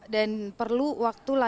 dan perlu waktu latihan